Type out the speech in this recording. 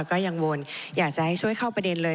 ก็ยังวนอยากจะให้ช่วยเข้าประเด็นเลย